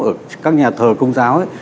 ở các nhà thờ công giáo ấy